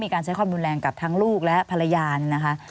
การใช้ความรุนแรงกับทั้งลูกและภรรยานะคะ